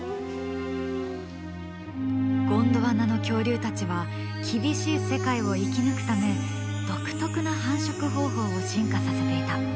ゴンドワナの恐竜たちは厳しい世界を生き抜くため独特な繁殖方法を進化させていた。